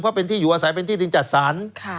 เพราะเป็นที่อยู่อาศัยเป็นที่ดินจัดสรร